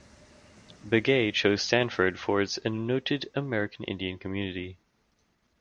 Begay chose Stanford for its noted American Indian community.